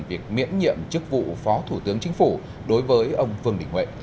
việc miễn nhiệm chức vụ phó thủ tướng chính phủ đối với ông vương đình huệ